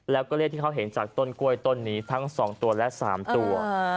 แล้วก็เลขที่เขาเห็นจากต้นกล้วยต้นนี้ทั้ง๒ตัวและ๓ตัว